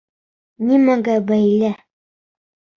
Нимәгә бәйле?